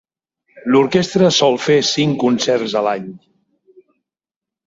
L'orquestra sol fer cinc concerts a l'any.